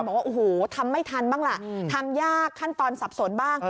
บอกว่าโอ้โหทำไม่ทันบ้างล่ะทำยากขั้นตอนสับสนบ้าง